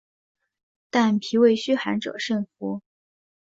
但脾胃虚寒者慎服。